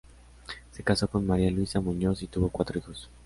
Se casó con María Luisa Muñoz y tuvo cuatro hijos.